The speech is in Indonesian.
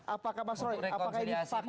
apakah mas roy apakah ini fakta